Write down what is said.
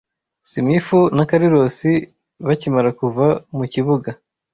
Simifu na Carilosi bakimara kuva mu kibuga